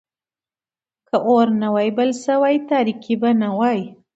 که اور نه وای بل شوی، تاريکي به وای.